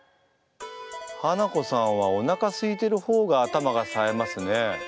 ハナコさんはおなかすいてる方が頭がさえますね。